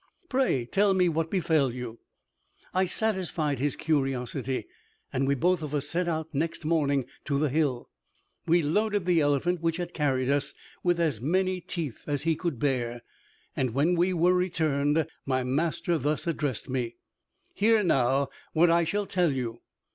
Pray tell me what befell you." I satisfied his curiosity, and we both of us set out next morning to the hill. We loaded the elephant which had carried us with as many teeth as he could bear; and when we were returned, my master thus addressed me: "Hear now what I shall tell you.